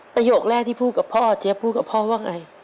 ประโยคแรกที่พูดกับพ่อเจี๊ยพูดกับพ่อว่าไง